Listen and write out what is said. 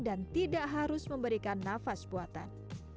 dan tidak harus memberikan nafas buatan